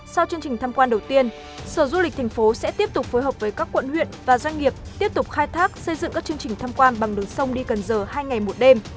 sau chương trình tham quan đầu tiên sở du lịch thành phố sẽ tiếp tục phối hợp với các quận huyện và doanh nghiệp tiếp tục khai thác xây dựng các chương trình tham quan bằng đường sông đi cần giờ hai ngày một đêm